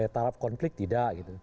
tarap konflik tidak